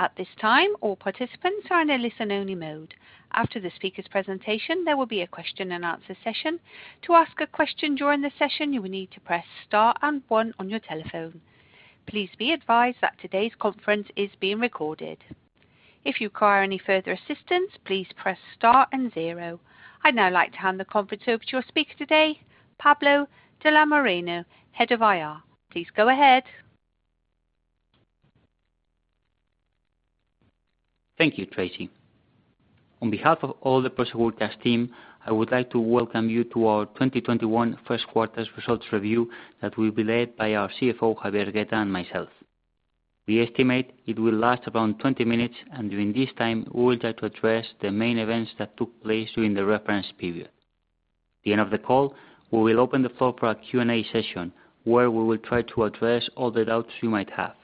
At this time, all participants are in a listen-only mode. After the speaker's presentation, there will be a question-and-answer session. To ask a question during the session, you will need to press star and one on your telephone. Please be advised that today's conference is being recorded. If you require any further assistance, please press star and zero. I'd now like to hand the conference over to your speaker today, Pablo de la Morena, Head of IR. Please go ahead. Thank you, Tracy. On behalf of all the Prosegur Cash team, I would like to welcome you to our 2021 first quarter results review that will be led by our CFO, Javier Hergueta, and myself. We estimate it will last around 20 minutes, and during this time, we will try to address the main events that took place during the reference period. At the end of the call, we will open the floor for our Q&A session, where we will try to address all the doubts you might have.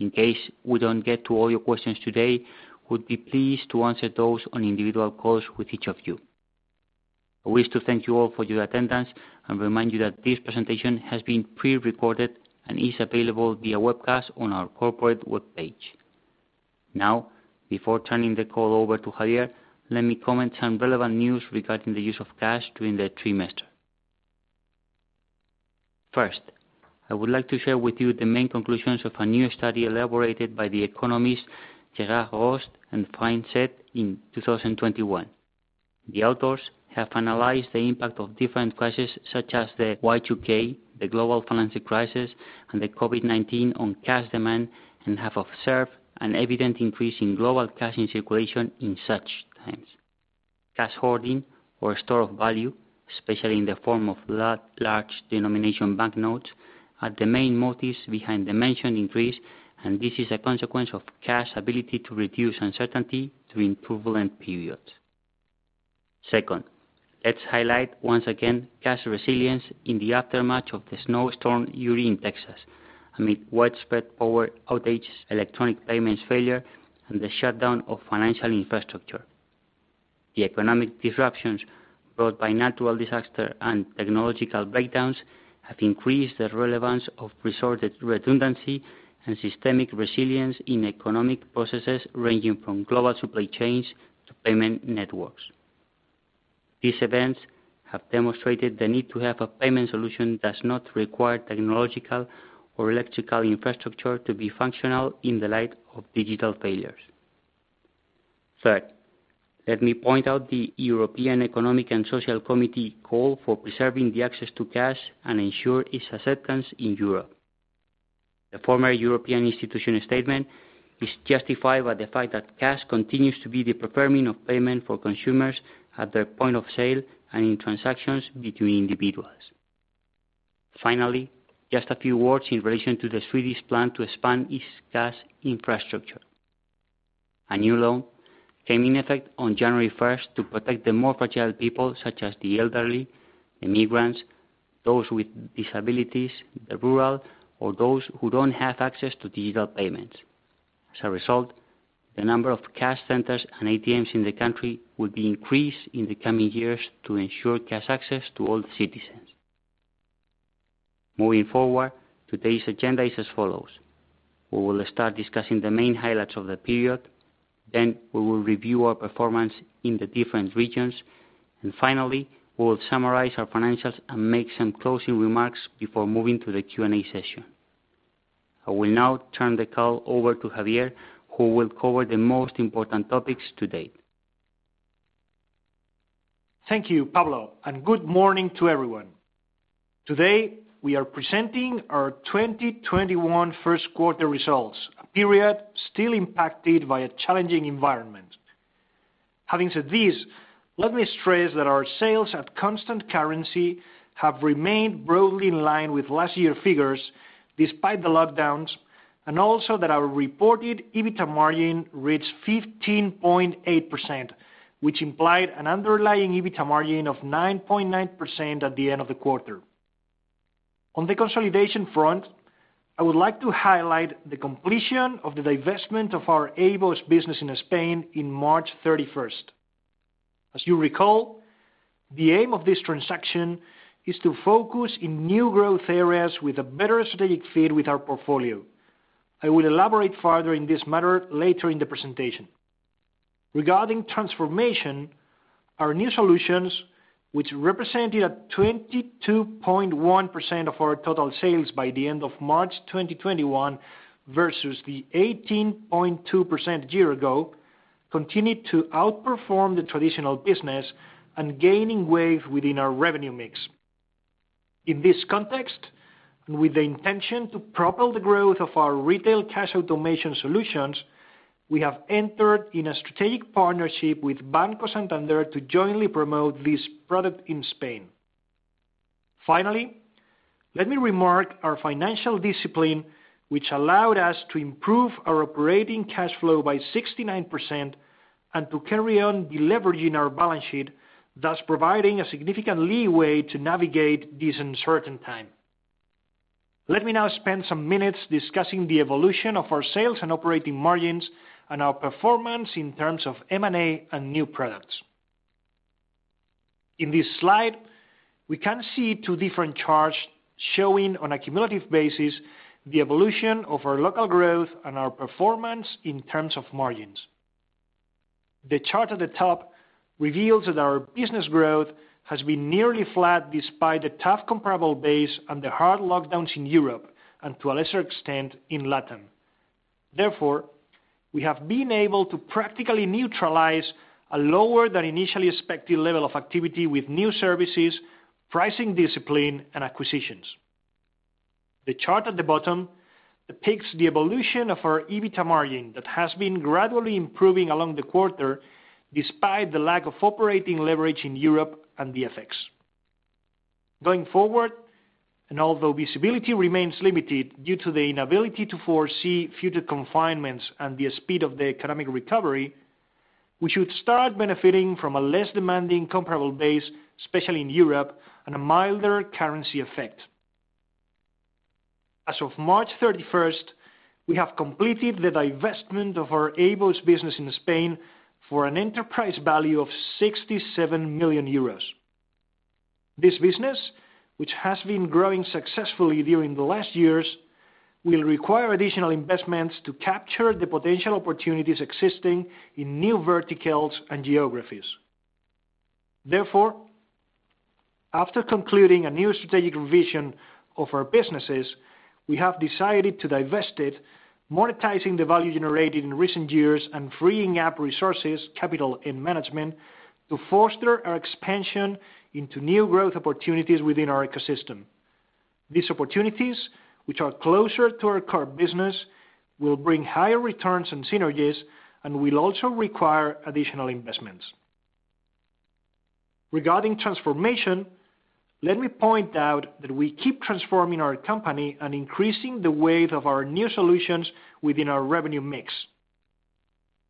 In case we don't get to all your questions today, we'll be pleased to answer those on individual calls with each of you. I wish to thank you all for your attendance and remind you that this presentation has been pre-recorded and is available via webcast on our corporate webpage. Now, before turning the call over to Javier, let me comment some relevant news regarding the use of cash during the trimester. First, I would like to share with you the main conclusions of a new study elaborated by the Economist Gerhard Rösl and Franz Seitz in 2021. The authors have analyzed the impact of different crises such as the Y2K, the global financial crisis, and the COVID-19 on cash demand and have observed an evident increase in global cash in circulation in such times. Cash hoarding or store of value, especially in the form of large denomination banknotes, are the main motives behind the mentioned increase, and this is a consequence of cash ability to reduce uncertainty during turbulent periods. Second, let's highlight once again cash resilience in the aftermath of the snowstorm Uri in Texas amid widespread power outages, electronic payments failure, and the shutdown of financial infrastructure. The economic disruptions brought by natural disaster and technological breakdowns have increased the relevance of resource redundancy and systemic resilience in economic processes ranging from global supply chains to payment networks. These events have demonstrated the need to have a payment solution does not require technological or electrical infrastructure to be functional in the light of digital failures. Third, let me point out the European Economic and Social Committee call for preserving the access to cash and ensure its acceptance in Europe. The former European Institution statement is justified by the fact that cash continues to be the preferred means of payment for consumers at their point of sale and in transactions between individuals. Finally, just a few words in relation to the Swedish plan to expand its cash infrastructure. A new law came in effect on January 1st to protect the more fragile people such as the elderly, immigrants, those with disabilities, the rural, or those who don't have access to digital payments. As a result, the number of cash centers and ATMs in the country will be increased in the coming years to ensure cash access to all citizens. Moving forward, today's agenda is as follows. We will start discussing the main highlights of the period, then we will review our performance in the different regions, and finally, we will summarize our financials and make some closing remarks before moving to the Q&A session. I will now turn the call over to Javier, who will cover the most important topics to date. Thank you, Pablo. Good morning to everyone. Today, we are presenting our 2021 first-quarter results, a period still impacted by a challenging environment. Having said this, let me stress that our sales at constant currency have remained broadly in line with last year figures, despite the lockdowns, and also that our reported EBITDA margin reached 15.8%, which implied an underlying EBITDA margin of 9.9% at the end of the quarter. On the consolidation front, I would like to highlight the completion of the divestment of our AVOS business in Spain in March 31st. As you recall, the aim of this transaction is to focus in new growth areas with a better strategic fit with our portfolio. I will elaborate further in this matter later in the presentation. Regarding transformation, our new solutions, which represented a 22.1% of our total sales by the end of March 2021 versus the 18.2% year ago, continued to outperform the traditional business and gaining weight within our revenue mix. In this context, and with the intention to propel the growth of our retail cash automation solutions, we have entered in a strategic partnership with Banco Santander to jointly promote this product in Spain. Finally, let me remark our financial discipline, which allowed us to improve our operating cash flow by 69% and to carry on deleveraging our balance sheet, thus providing a significant leeway to navigate this uncertain time. Let me now spend some minutes discussing the evolution of our sales and operating margins and our performance in terms of M&A and new products. In this slide, we can see two different charts showing on a cumulative basis the evolution of our local growth and our performance in terms of margins. The chart at the top reveals that our business growth has been nearly flat despite the tough comparable base and the hard lockdowns in Europe, and to a lesser extent, in LatAm. Therefore, we have been able to practically neutralize a lower than initially expected level of activity with new services, pricing discipline, and acquisitions. The chart at the bottom depicts the evolution of our EBITA margin that has been gradually improving along the quarter, despite the lack of operating leverage in Europe and the FX. Going forward, and although visibility remains limited due to the inability to foresee future confinements and the speed of the economic recovery, we should start benefiting from a less demanding comparable base, especially in Europe, and a milder currency effect. As of March 31st, we have completed the divestment of our AVOS business in Spain for an enterprise value of 67 million euros. This business, which has been growing successfully during the last years, will require additional investments to capture the potential opportunities existing in new verticals and geographies. Therefore, after concluding a new strategic revision of our businesses, we have decided to divest it, monetizing the value generated in recent years, and freeing up resources, capital, and management, to foster our expansion into new growth opportunities within our ecosystem. These opportunities, which are closer to our core business, will bring higher returns and synergies and will also require additional investments. Regarding transformation, let me point out that we keep transforming our company and increasing the weight of our new solutions within our revenue mix.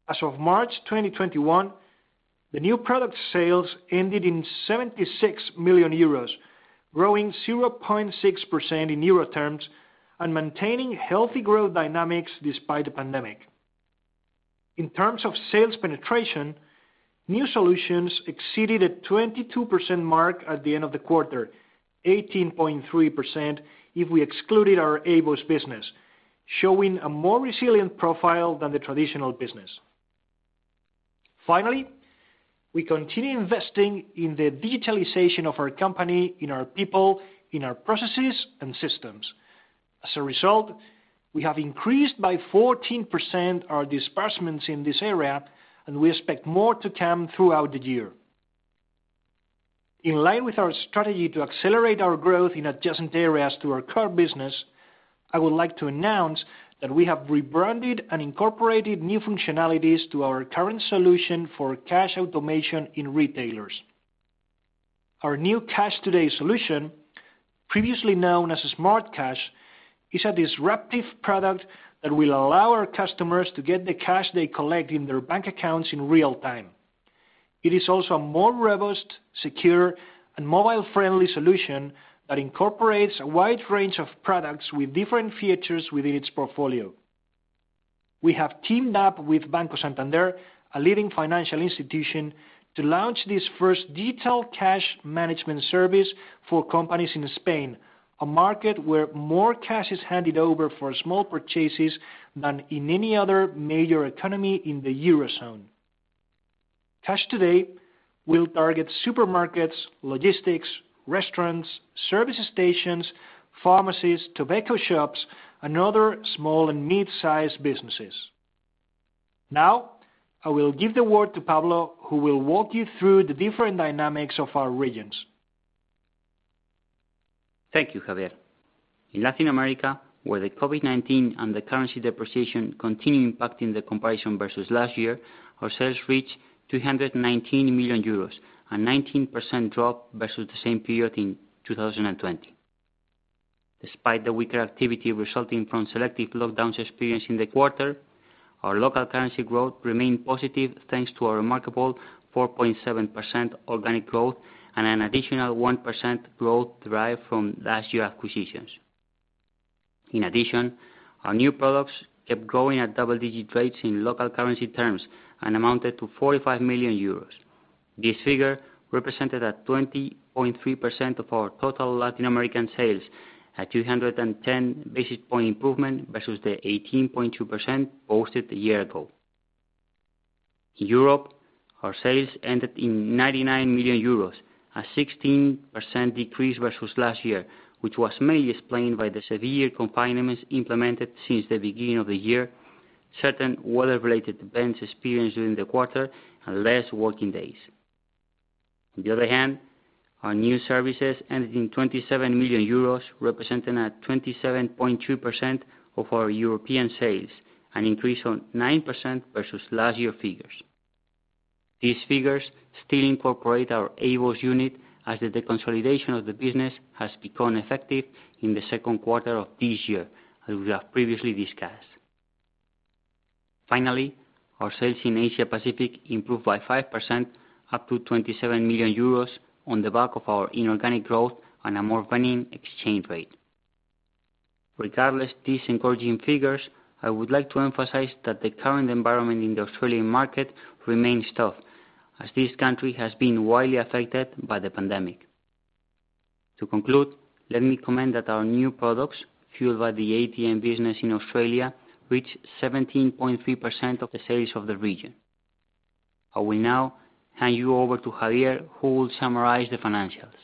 As of March 2021, the new product sales ended in 76 million euros, growing 0.6% in euro terms and maintaining healthy growth dynamics despite the pandemic. In terms of sales penetration, new solutions exceeded a 22% mark at the end of the quarter, 18.3% if we excluded our AVOS business, showing a more resilient profile than the traditional business. Finally, we continue investing in the digitalization of our company, in our people, in our processes and systems. As a result, we have increased by 14% our disbursements in this area, and we expect more to come throughout the year. In line with our strategy to accelerate our growth in adjacent areas to our core business, I would like to announce that we have rebranded and incorporated new functionalities to our current solution for cash automation in retailers. Our new Cash Today solution, previously known as Smart Cash, is a disruptive product that will allow our customers to get the cash they collect in their bank accounts in real time. It is also a more robust, secure, and mobile-friendly solution that incorporates a wide range of products with different features within its portfolio. We have teamed up with Banco Santander, a leading financial institution, to launch this first digital cash management service for companies in Spain, a market where more cash is handed over for small purchases than in any other major economy in the Eurozone. Cash Today will target supermarkets, logistics, restaurants, service stations, pharmacies, tobacco shops, and other small and mid-size businesses. I will give the word to Pablo, who will walk you through the different dynamics of our regions. Thank you, Javier. In Latin America, where the COVID-19 and the currency depreciation continue impacting the comparison versus last year, our sales reached 219 million euros, a 19% drop versus the same period in 2020. Despite the weaker activity resulting from selective lockdowns experienced in the quarter, our local currency growth remained positive, thanks to a remarkable 4.7% organic growth and an additional 1% growth derived from last year acquisitions. In addition, our new products kept growing at double-digit rates in local currency terms and amounted to 45 million euros. This figure represented a 20.3% of our total Latin American sales, a 210 basis point improvement versus the 18.2% posted a year ago. In Europe, our sales ended in 99 million euros, a 16% decrease versus last year, which was mainly explained by the severe confinements implemented since the beginning of the year, certain weather-related events experienced during the quarter, and less working days. On the other hand, our new services ended in 27 million euros, representing a 27.2% of our European sales, an increase on 9% versus last year figures. These figures still incorporate our AVOS unit as the deconsolidation of the business has become effective in the second quarter of this year, as we have previously discussed. Finally, our sales in Asia Pacific improved by 5%, up to 27 million euros, on the back of our inorganic growth and a more benign exchange rate. Regardless of these encouraging figures, I would like to emphasize that the current environment in the Australian market remains tough, as this country has been widely affected by the pandemic. To conclude, let me comment that our new products, fueled by the ATM business in Australia, reached 17.3% of the sales of the region. I will now hand you over to Javier, who will summarize the financials.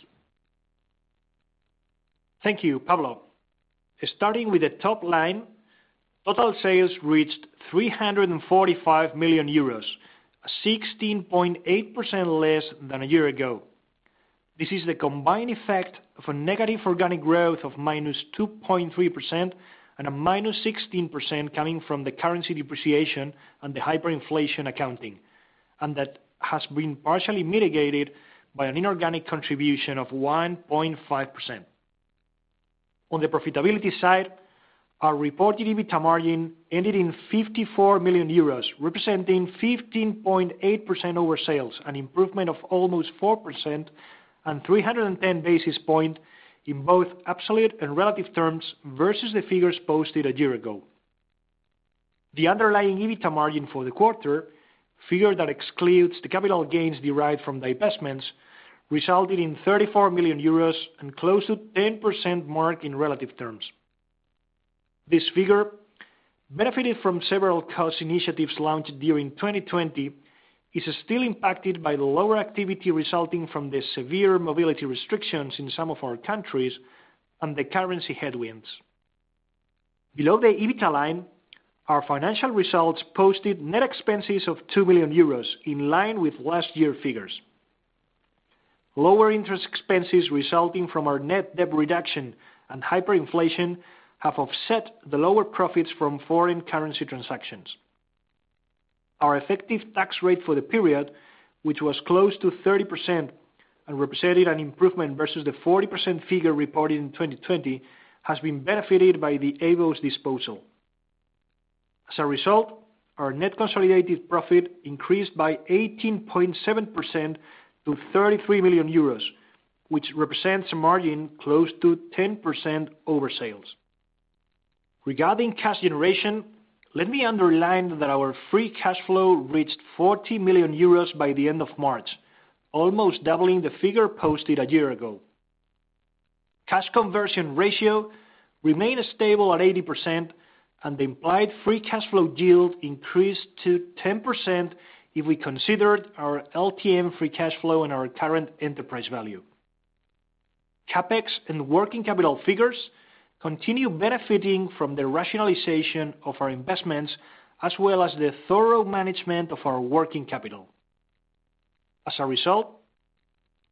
Thank you, Pablo. Starting with the top line, total sales reached 345 million euros, 16.8% less than a year ago. This is the combined effect of a negative organic growth of -2.3% and a -16% coming from the currency depreciation and the hyperinflation accounting, and that has been partially mitigated by an inorganic contribution of 1.5%. On the profitability side, our reported EBITDA margin ended in 54 million euros, representing 15.8% over sales, an improvement of almost 4% and 310 basis point in both absolute and relative terms versus the figures posted a year ago. The underlying EBITDA margin for the quarter, figure that excludes the capital gains derived from divestments, resulted in 34 million euros and close to 10% mark in relative terms. This figure, benefited from several cost initiatives launched during 2020, is still impacted by the lower activity resulting from the severe mobility restrictions in some of our countries and the currency headwinds. Below the EBITDA line, our financial results posted net expenses of 2 million euros, in line with last year figures. Lower interest expenses resulting from our net debt reduction and hyperinflation have offset the lower profits from foreign currency transactions. Our effective tax rate for the period, which was close to 30% and represented an improvement versus the 40% figure reported in 2020, has been benefited by the AVOS disposal. As a result, our net consolidated profit increased by 18.7% to 33 million euros, which represents a margin close to 10% over sales. Regarding cash generation, let me underline that our free cash flow reached 40 million euros by the end of March, almost doubling the figure posted a year ago. Cash conversion ratio remained stable at 80%. The implied free cash flow yield increased to 10% if we considered our LTM free cash flow and our current enterprise value. CapEx and working capital figures continue benefiting from the rationalization of our investments, as well as the thorough management of our working capital. As a result,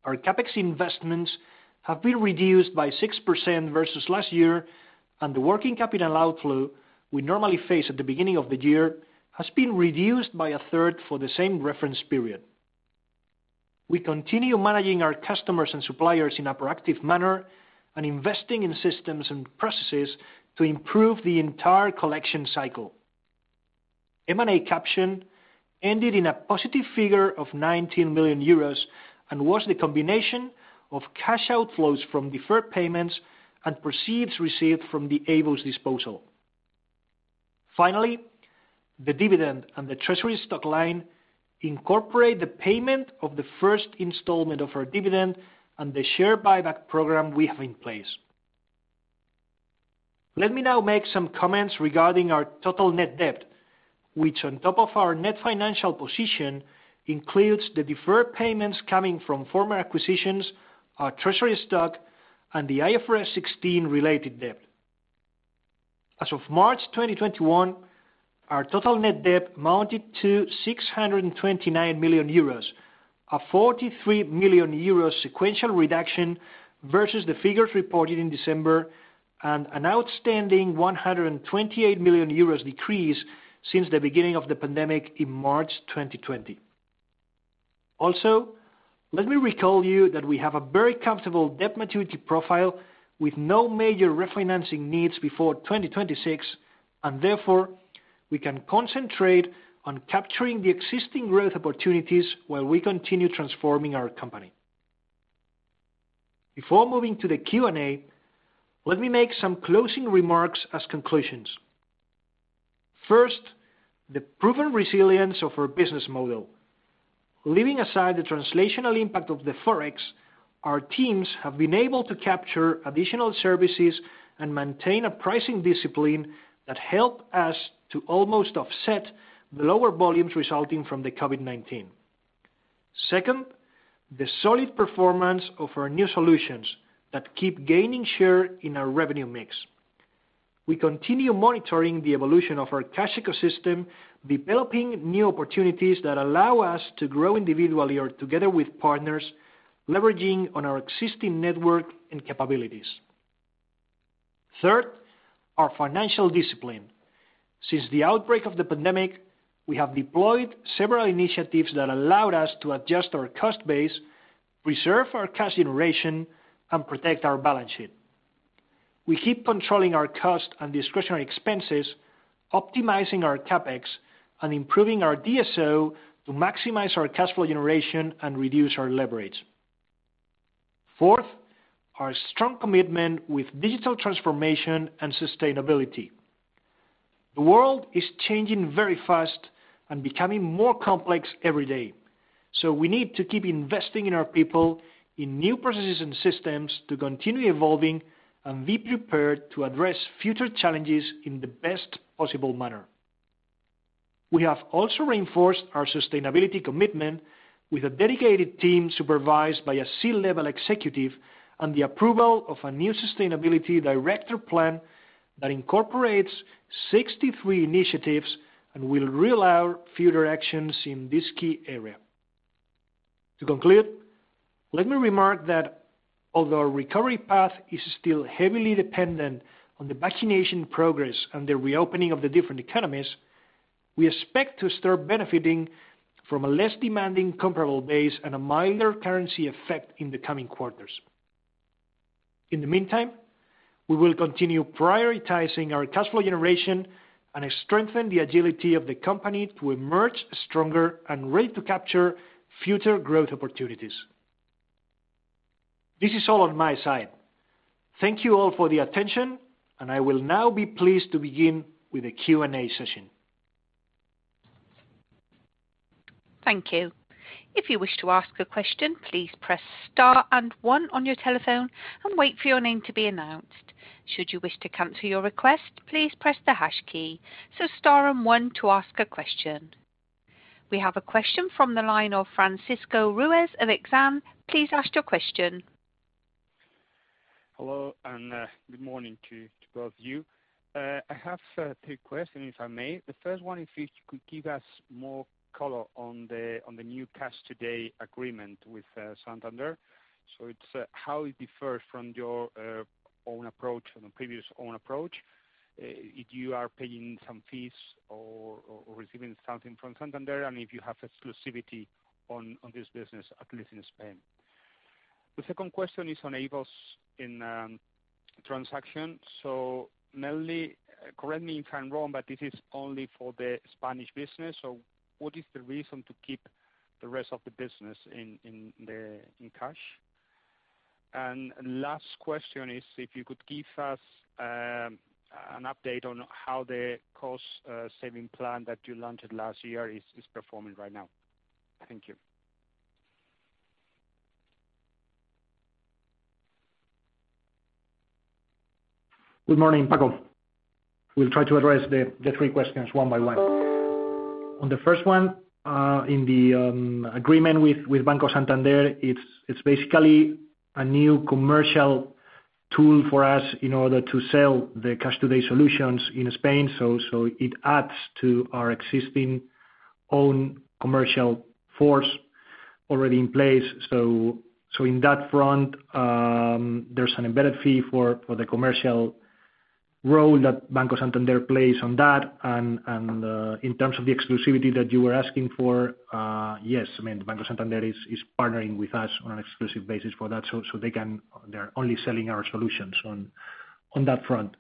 our CapEx investments have been reduced by 6% versus last year, and the working capital outflow we normally face at the beginning of the year has been reduced by a third for the same reference period. We continue managing our customers and suppliers in a proactive manner and investing in systems and processes to improve the entire collection cycle. M&A caption ended in a positive figure of 19 million euros and was the combination of cash outflows from deferred payments and proceeds received from the AVOS disposal. Finally, the dividend and the treasury stock line incorporate the payment of the first installment of our dividend and the share buyback program we have in place. Let me now make some comments regarding our total net debt, which on top of our net financial position, includes the deferred payments coming from former acquisitions, our treasury stock, and the IFRS 16-related debt. As of March 2021, our total net debt mounted to 629 million euros, a 43 million euros sequential reduction versus the figures reported in December and an outstanding 128 million euros decrease since the beginning of the pandemic in March 2020. Also, let me recall you that we have a very comfortable debt maturity profile with no major refinancing needs before 2026, and therefore, we can concentrate on capturing the existing growth opportunities while we continue transforming our company. Before moving to the Q&A, let me make some closing remarks as conclusions. First, the proven resilience of our business model. Leaving aside the translational impact of the Forex, our teams have been able to capture additional services and maintain a pricing discipline that help us to almost offset the lower volumes resulting from the COVID-19. Second, the solid performance of our new solutions that keep gaining share in our revenue mix. We continue monitoring the evolution of our cash ecosystem, developing new opportunities that allow us to grow individually or together with partners, leveraging on our existing network and capabilities. Third, our financial discipline. Since the outbreak of the pandemic, we have deployed several initiatives that allowed us to adjust our cost base, preserve our cash generation, and protect our balance sheet. We keep controlling our cost and discretionary expenses, optimizing our CapEx, and improving our DSO to maximize our cash flow generation and reduce our leverage. Fourth, our strong commitment with digital transformation and sustainability. The world is changing very fast and becoming more complex every day. We need to keep investing in our people, in new processes and systems to continue evolving and be prepared to address future challenges in the best possible manner. We have also reinforced our sustainability commitment with a dedicated team supervised by a C-level executive, and the approval of a new sustainability director plan that incorporates 63 initiatives and will roll out future actions in this key area. To conclude, let me remark that although our recovery path is still heavily dependent on the vaccination progress and the reopening of the different economies, we expect to start benefiting from a less demanding comparable base and a minor currency effect in the coming quarters. In the meantime, we will continue prioritizing our cash flow generation and strengthen the agility of the company to emerge stronger and ready to capture future growth opportunities. This is all on my side. Thank you all for the attention, and I will now be pleased to begin with the Q&A session. Thank you. If you wish to ask a question, please press star and one on your telephone and wait for your name to be announced. Should you wish to cancel your request, please press the hash key. Star and one to ask a question. We have a question from the line of Francisco Ruiz of Exane. Please ask your question. Hello, and good morning to both of you. I have two questions, if I may. The first one, if you could give us more color on the new Cash Today agreement with Santander. How it differs from your own approach, from the previous own approach, if you are paying some fees or receiving something from Santander, and if you have exclusivity on this business, at least in Spain. The second question is on AVOS transaction. [Nelly], correct me if I'm wrong, but it is only for the Spanish business. What is the reason to keep the rest of the business in cash? Last question is, if you could give us an update on how the cost-saving plan that you launched last year is performing right now. Thank you. Good morning, Paco. We'll try to address the three questions one by one. On the first one, in the agreement with Banco Santander, it's basically a new commercial tool for us in order to sell the Cash Today solutions in Spain. It adds to our existing own commercial force already in place. In that front, there's an embedded fee for the commercial role that Banco Santander plays on that. And in terms of the exclusivity that you were asking for, yes, Banco Santander is partnering with us on an exclusive basis for that. They're only selling our solutions on that front.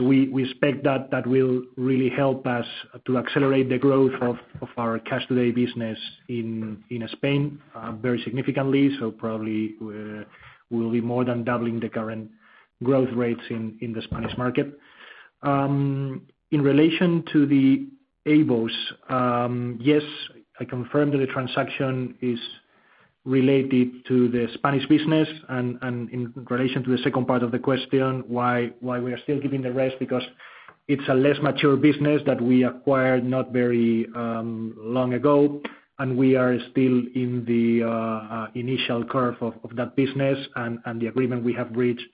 We expect that will really help us to accelerate the growth of our Cash Today business in Spain very significantly. Probably, we'll be more than doubling the current growth rates in the Spanish market. In relation to the AVOS, yes, I confirm that the transaction is related to the Spanish business. In relation to the second part of the question, why we are still keeping the rest, because it's a less mature business that we acquired not very long ago, and we are still in the initial curve of that business. The agreement we have reached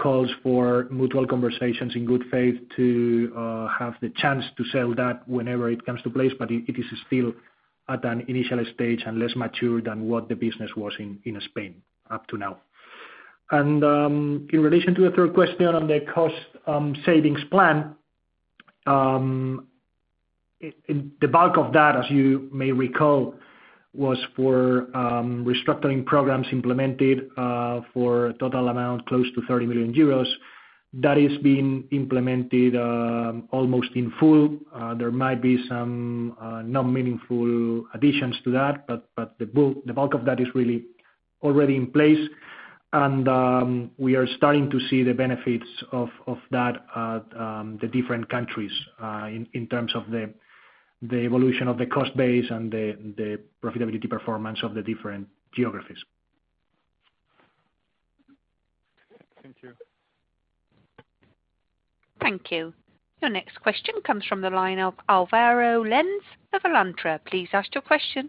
calls for mutual conversations in good faith to have the chance to sell that whenever it comes to place. It is still at an initial stage and less mature than what the business was in Spain up to now. In relation to the third question on the cost savings plan, the bulk of that, as you may recall, was for restructuring programs implemented for a total amount close to 30 million euros. That is being implemented almost in full. There might be some non-meaningful additions to that, but the bulk of that is really already in place. We are starting to see the benefits of that at the different countries in terms of the evolution of the cost base and the profitability performance of the different geographies. Thank you. Thank you. Your next question comes from the line of Álvaro Lenze of Alantra. Please ask your question.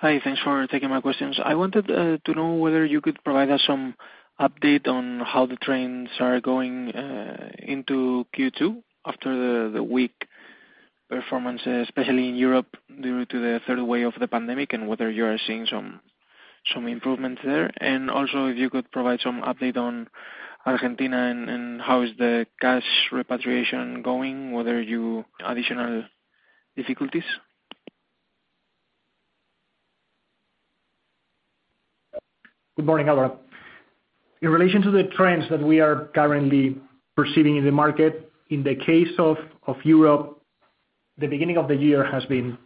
Hi, thanks for taking my questions. I wanted to know whether you could provide us some update on how the trends are going into Q2 after the weak performance, especially in Europe, due to the third wave of the pandemic, and whether you are seeing some improvements there. Also if you could provide some update on Argentina and how is the cash repatriation going, whether you additional difficulties? Good morning, Álvaro. In relation to the trends that we are currently perceiving in the market, in the case of Europe, the beginning of the year has been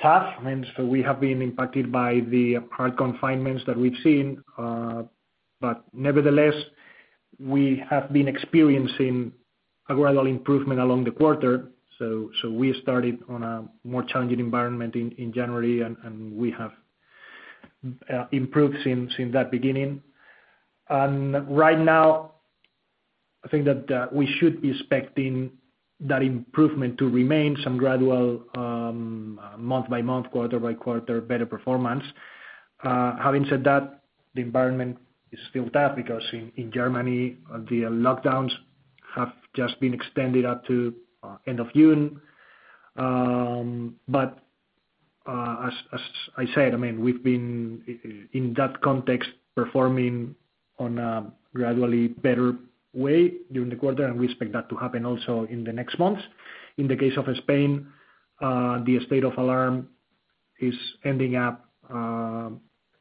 tough. We have been impacted by the hard confinements that we've seen. Nevertheless, we have been experiencing a gradual improvement along the quarter. We started on a more challenging environment in January, and we have improved since that beginning. Right now, I think that we should be expecting that improvement to remain some gradual month-by-month, quarter-by-quarter, better performance. Having said that, the environment is still tough because in Germany, the lockdowns have just been extended up to end of June. As I said, we've been, in that context, performing on a gradually better way during the quarter, and we expect that to happen also in the next months. In the case of Spain, the state of alarm is ending up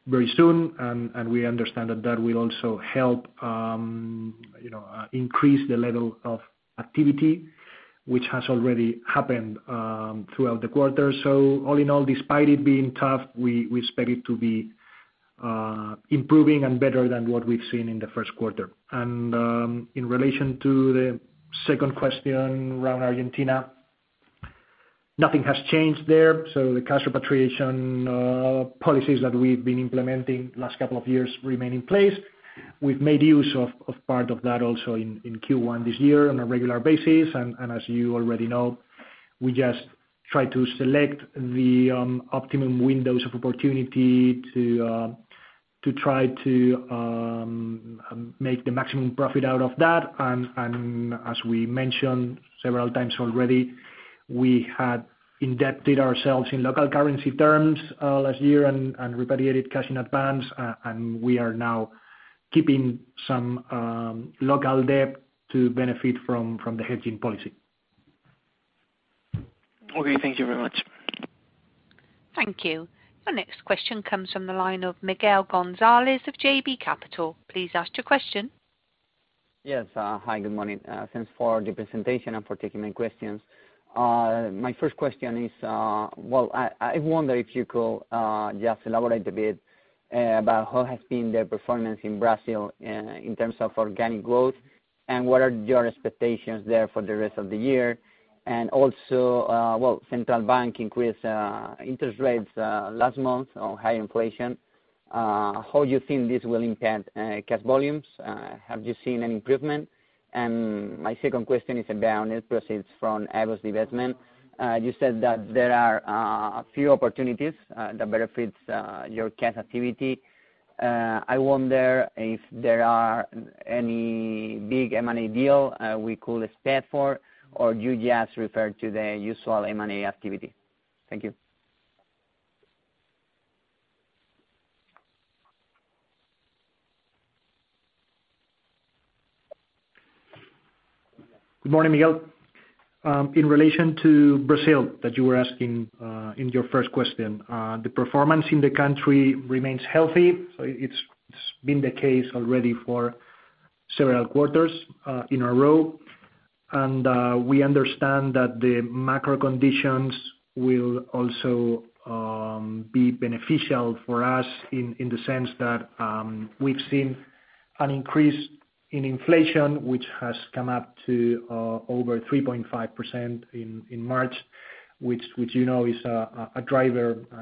very soon, and we understand that that will also help increase the level of activity, which has already happened throughout the quarter. All in all, despite it being tough, we expect it to be improving and better than what we've seen in the first quarter. In relation to the second question around Argentina, nothing has changed there. The cash repatriation policies that we've been implementing last couple of years remain in place. We've made use of part of that also in Q1 this year on a regular basis. As you already know, we just try to select the optimum windows of opportunity to try to make the maximum profit out of that. As we mentioned several times already, we had indebted ourselves in local currency terms last year and repatriated cash in advance. We are now keeping some local debt to benefit from the hedging policy. Okay. Thank you very much. Thank you. The next question comes from the line of Miguel González of JB Capital. Please ask your question. Yes. Hi, good morning. Thanks for the presentation and for taking my questions. My first question is, well, I wonder if you could just elaborate a bit about how has been the performance in Brazil in terms of organic growth. What are your expectations there for the rest of the year? Well, central bank increased interest rates last month on high inflation. How you think this will impact cash volumes? Have you seen an improvement? My second question is about net proceeds from AVOS divestment. You said that there are a few opportunities that benefits your cash activity. I wonder if there are any big M&A deal we could expect for, or you just referred to the usual M&A activity. Thank you. Good morning, Miguel. In relation to Brazil that you were asking in your first question, the performance in the country remains healthy. It's been the case already for several quarters in a row. We understand that the macro conditions will also be beneficial for us in the sense that we've seen an increase in inflation, which has come up to over 3.5% in March, which you know is a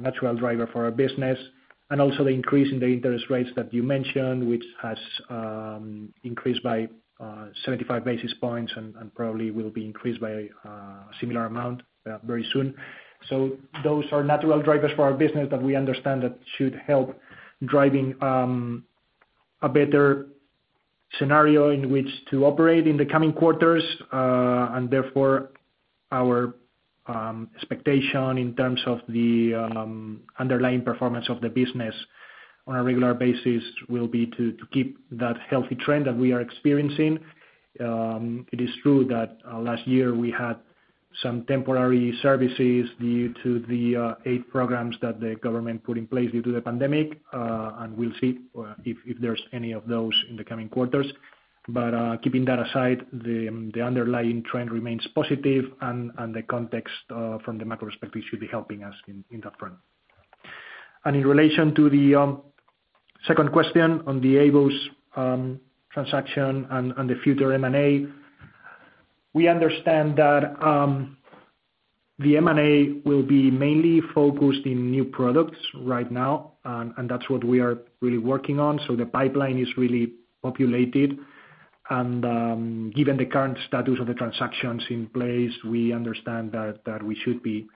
natural driver for our business. Also the increase in the interest rates that you mentioned, which has increased by 75 basis points and probably will be increased by a similar amount very soon. Those are natural drivers for our business that we understand that should help driving a better scenario in which to operate in the coming quarters. Therefore, our expectation in terms of the underlying performance of the business on a regular basis will be to keep that healthy trend that we are experiencing. It is true that last year we had some temporary services due to the aid programs that the government put in place due to the pandemic. We'll see if there's any of those in the coming quarters. Keeping that aside, the underlying trend remains positive and the context from the macro perspective should be helping us in that front. In relation to the second question on the AVOS transaction and the future M&A, we understand that the M&A will be mainly focused in new products right now, and that's what we are really working on. The pipeline is really populated. Given the current status of the transactions in place, we understand that we should be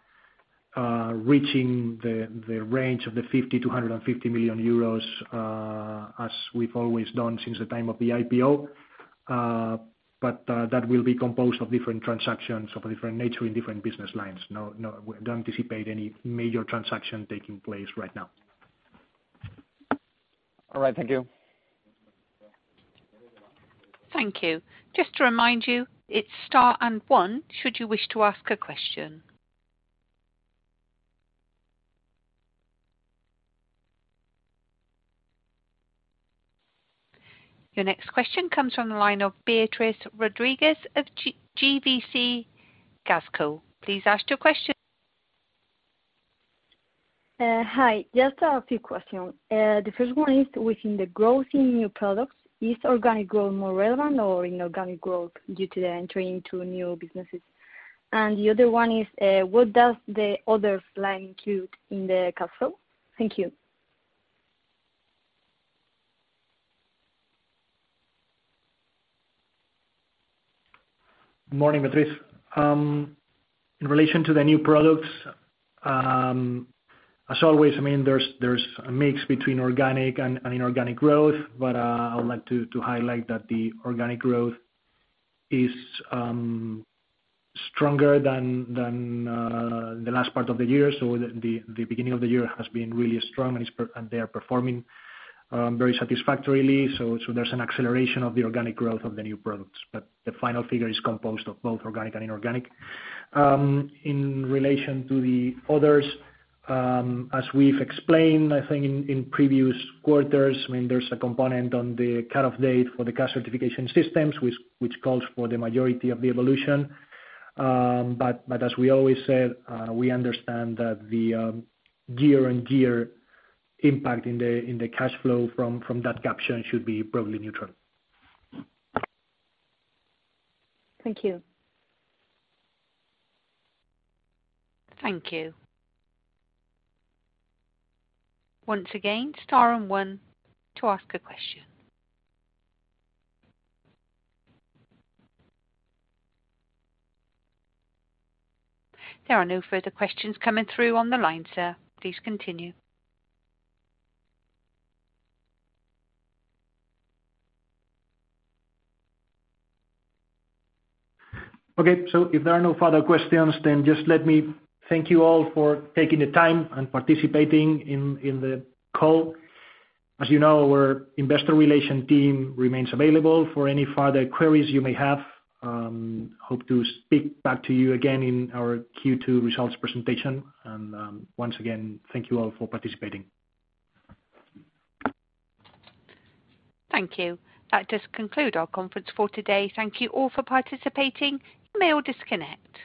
reaching the range of 50-150 million euros, as we've always done since the time of the IPO. That will be composed of different transactions of a different nature in different business lines. We don't anticipate any major transaction taking place right now. All right. Thank you. Thank you. Just to remind you, it's star and one should you wish to ask a question. Your next question comes from the line of Beatriz Rodríguez of GVC Gaesco. Please ask your question. Hi. Just a few questions. The first one is within the growth in new products, is organic growth more relevant or inorganic growth due to the entry into new businesses? The other one is, what does the other line include in the cash flow? Thank you. Morning, Beatriz. In relation to the new products, as always, there's a mix between organic and inorganic growth, but I would like to highlight that the organic growth is stronger than the last part of the year. The beginning of the year has been really strong, and they are performing very satisfactorily. There's an acceleration of the organic growth of the new products. The final figure is composed of both organic and inorganic. In relation to the others, as we've explained, I think in previous quarters, there's a component on the cut-off date for the cash certification systems, which calls for the majority of the evolution. As we always said, we understand that the year-on-year impact in the cash flow from that caption should be probably neutral. Thank you. Thank you. Once again, star and one to ask a question. There are no further questions coming through on the line, sir. Please continue. Okay. If there are no further questions, then just let me thank you all for taking the time and participating in the call. As you know, our Investor Relations team remains available for any further queries you may have. Hope to speak back to you again in our Q2 results presentation. Once again, thank you all for participating. Thank you. That does conclude our conference for today. Thank you all for participating. You may all disconnect.